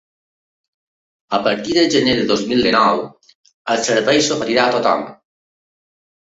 A partir del gener del dos mil dinou, el servei s’oferirà a tothom.